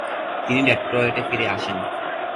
তিনি ডেট্রয়েটে ফিরে আসেন।